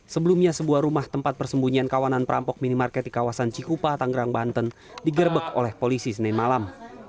sebelumnya sebuah rumah tempat persembunyian kawanan perampok minimarket di kawasan cikupa tanggerang banten digerbek oleh polisi senin malam